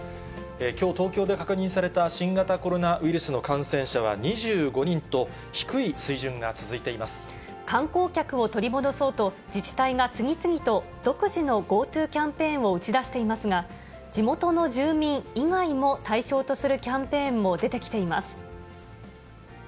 きょう、東京で確認された新型コロナウイルスの感染者は２５人と、低い水観光客を取り戻そうと、自治体が次々と独自のＧｏＴｏキャンペーンを打ち出していますが、地元の住民以外も対象とするキャンペーンも出てきています。